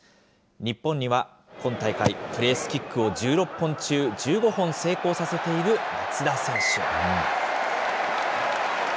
日本には、今大会プレースキックを１６本中１５本成功させている松田選手。